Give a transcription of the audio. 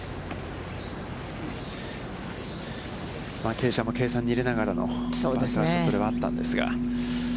傾斜も計算に入れながらのバンカーショットではあったんですが。